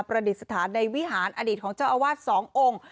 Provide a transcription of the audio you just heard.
ประดิษฐานในวิหารอดีตของเจ้าอาวาสสององค์